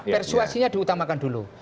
persuasinya diutamakan dulu